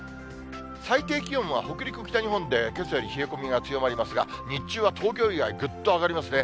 最低気温は北陸、北日本でけさより冷え込みが強まりますが、日中は東京以外、ぐっと上がりますね。